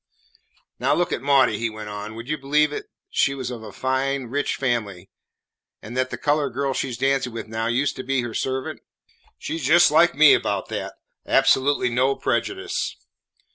"Now look at Maudie," he went on; "would you believe it that she was of a fine, rich family, and that the coloured girl she 's dancing with now used to be her servant? She 's just like me about that. Absolutely no prejudice."